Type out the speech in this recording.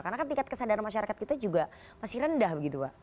karena kan tingkat kesadaran masyarakat kita juga masih rendah begitu pak